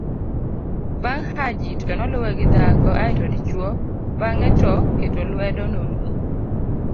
bang' Haji to noluwe gi dhako aeto dichuwo bang'e to keto luedo norumo